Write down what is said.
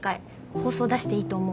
放送出していいと思う。